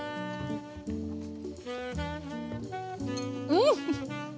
うん！